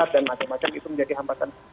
dan macam macam itu menjadi hambatan